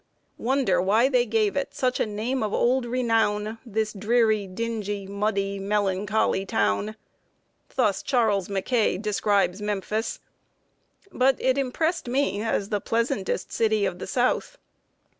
"Wonder why they gave it such a name of old renown, This dreary, dingy, muddy, melancholy town." [Sidenote: SPRING TIME IN MEMPHIS.] Thus Charles Mackay describes Memphis; but it impressed me as the pleasantest city of the South.